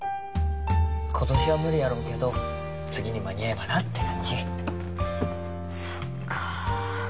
今年は無理やろうけど次に間に合えばなって感じそっか